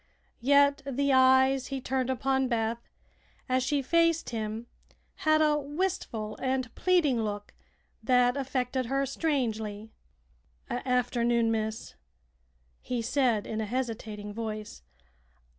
Yet the eyes he turned upon Beth, as she faced him had a wistful and pleading look that affected her strangely. "Afternoon, miss," he said, in a hesitating voice.